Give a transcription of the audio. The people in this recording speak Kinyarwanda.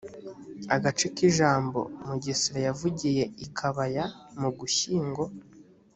agace k ijambo mugesera yavugiye i kabaya mu gushyingo